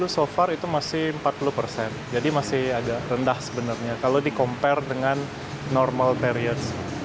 delapan sembilan sepuluh so far itu masih empat puluh jadi masih agak rendah sebenarnya kalau di compare dengan normal period